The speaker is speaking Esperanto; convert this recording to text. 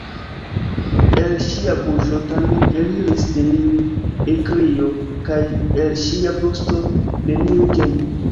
El ŝia buŝo tamen eliris neniu ekkrio kaj el ŝia brusto neniu ĝemo.